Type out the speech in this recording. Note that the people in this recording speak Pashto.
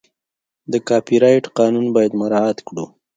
د کاپي رایټ قانون باید مراعت کړو.